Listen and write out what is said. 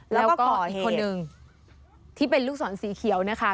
แล้วก็คนหนึ่งที่เป็นลูกสอนสีเขียวนะคะ